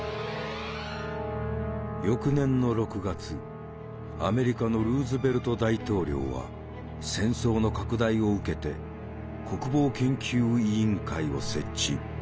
翌年の６月アメリカのルーズベルト大統領は戦争の拡大を受けて国防研究委員会を設置。